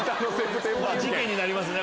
事件になりますね